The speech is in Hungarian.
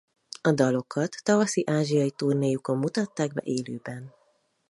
A dalokat tavaszi ázsiai turnéjukon mutatták be élőben.